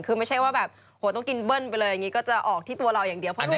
ก็แฮปปี้ดีหนูอยากจะมีกี่คนคะ